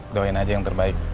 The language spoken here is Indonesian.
doain aja yang terbaik